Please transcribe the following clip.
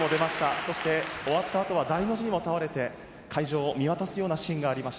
そして終わった後は大の字に倒れて会場を見渡すようなシーンがありました。